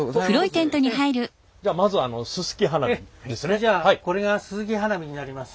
それじゃあこれがすすき花火になります。